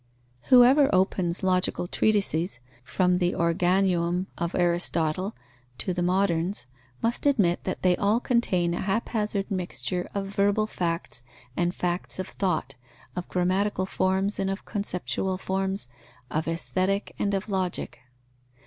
Whoever opens logical treatises, from the Organum of Aristotle to the moderns, must admit that they all contain a haphazard mixture of verbal facts and facts of thought, of grammatical forms and of conceptual forms, of Aesthetic and of Logic.